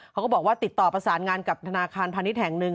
เขาก็บอกว่าติดต่อประสานงานกับธนาคารพาณิชย์แห่งหนึ่ง